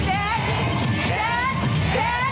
เจฟเจฟ